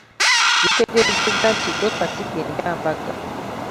Yategeezezza nti leero kasiki enkya mbaga.